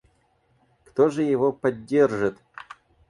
Кто же его поддержит?